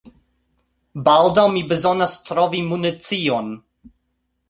Baldaŭ mi bezonas trovi municion.